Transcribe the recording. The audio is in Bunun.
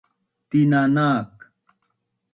Tina nak